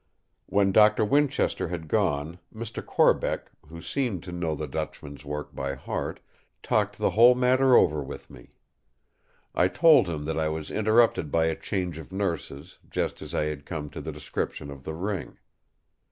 When Doctor Winchester had gone, Mr. Corbeck, who seemed to know the Dutchman's work by heart, talked the whole matter over with me. I told him that I was interrupted by a change of nurses, just as I had come to the description of the ring.